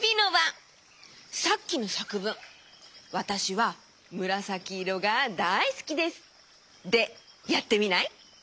さっきのさくぶん「わたしはむらさきいろがだいすきです」でやってみない？